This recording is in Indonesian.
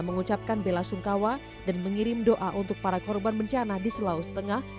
mengucapkan bela sungkawa dan mengirim doa untuk para korban bencana di sulawesi tengah